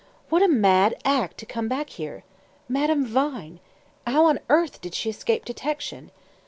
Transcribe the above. "What a mad act to come back here. Madame Vine! How on earth did she escape detection?"